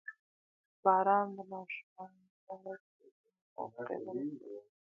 • باران د ماشومانو لپاره د لوبو موقع برابروي.